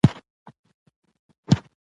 آیا د جواز اخیستل اسانه دي؟